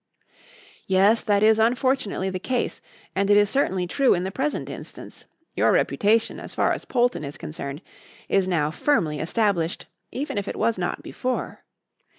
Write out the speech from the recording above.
"Yes, that is unfortunately the case, and it is certainly true in the present instance. Your reputation, as far as Polton is concerned, is now firmly established even if it was not before.